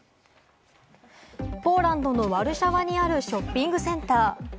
ポーランドのワルシャワにあるショッピングセンター。